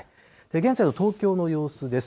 現在の東京の様子です。